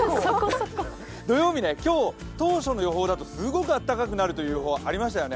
土曜日、今日、当初の予報だとすごくあったかくなるという予報がありましたよね。